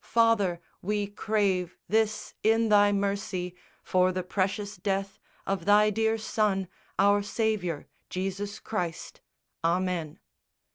Father, we crave This in Thy mercy, for the precious death Of Thy dear Son, our Saviour, Jesus Christ! Amen.